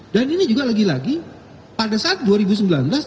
dan ini juga lagi lagi pada saat dua ribu sembilan belas